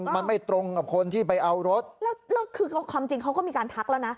มันไม่ตรงกับคนที่ไปเอารถแล้วแล้วคือความจริงเขาก็มีการทักแล้วนะ